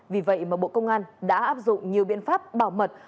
vì vậy mà bộ công an đã áp dụng nhiều biện pháp bảo mật